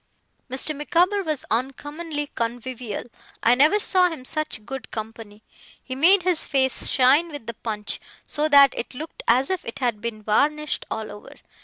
Mr. Micawber was uncommonly convivial. I never saw him such good company. He made his face shine with the punch, so that it looked as if it had been varnished all over.